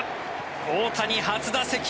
大谷、初打席。